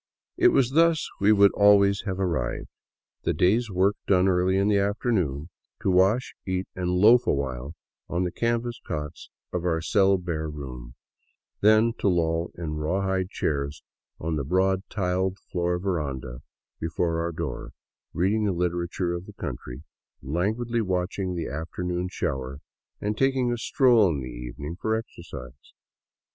It was thus we would always have arrived; the day's work done early in the afternoon, to wash, eat, and loaf awhile on the canvas cots in our cell bare room; then to loll in the rawhide chairs on the broad tile floored veranda before our door, reading the literature of the country, languidly watching the afternoon shower, and taking a stroll in the evening for exercise.